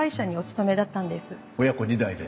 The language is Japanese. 親子２代で。